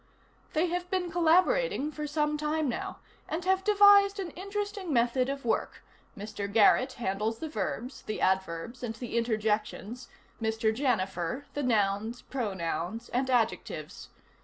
They have been collaborating for some time now, and have devised an interesting method of work: Mr. Garrett handles the verbs, the adverbs and the interjections, Mr. Janifer the nouns, pronouns, and adjectives.